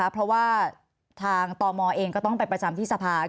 เพราะว่าทางตมเองก็ต้องไปประจำที่สภา